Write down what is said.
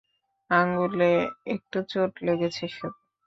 আঙুলে একটু চোট লেগেছে শুধু!